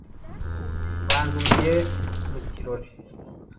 bantumiye mu kirori